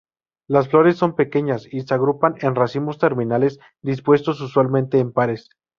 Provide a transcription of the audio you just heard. Las flores son pequeñas y se agrupan en racimos terminales, dispuestos usualmente en pares.